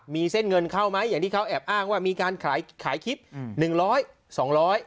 มีเส้นเงินเข้าไหมอย่างที่เขาแอบอ้างว่ามีการขายขายคลิปอืมหนึ่งร้อยสองร้อย